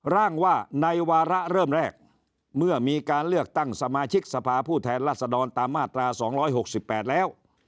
ร่างว่าในวาระเริ่มแรกเมื่อมีการเลือกตั้งสมาชิกสภาผู้แทนรัศดรตามมาตรา๒๖๘แล้ว